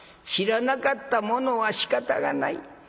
知らなかったものはしかたがない。